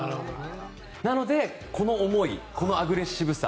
なので、この思いこのアグレッシブさ。